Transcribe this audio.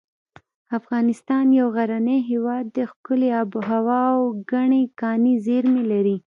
افغانستان یو غرنی هیواد دی ښکلي اب هوا او ګڼې کاني زیر مې لري